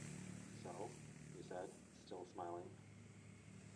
“So?” he said, still smiling.